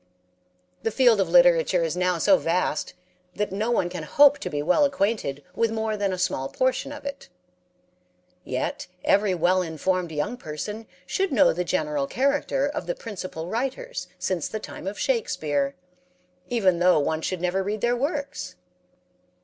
The field of literature is now so vast that no one can hope to be well acquainted with more than a small portion of it. Yet every well informed young person should know the general character of the principal writers since the time of Shakespere, even though one should never read their works.